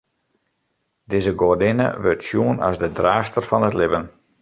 Dizze goadinne wurdt sjoen as de draachster fan it libben.